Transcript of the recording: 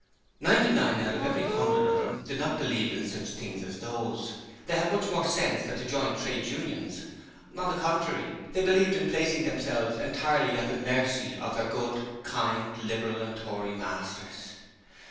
Ninety nine out of every hundred of them did not believe in such things as those: they had much more sense than to join Trades Unions: on the contrary, they believed in placing themselves entirely at the mercy of their good, kind Liberal and Tory masters.